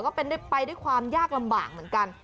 ก็ได้ความยากลำบากเหมือนกัน